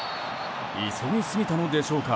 急ぎすぎたのでしょうか。